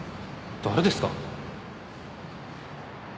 誰ですか？